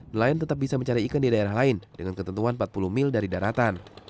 nelayan tetap bisa mencari ikan di daerah lain dengan ketentuan empat puluh mil dari daratan